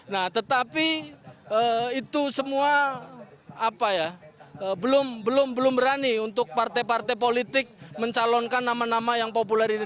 nah tetapi itu semua belum berani untuk partai partai politik mencalonkan nama nama yang populer ini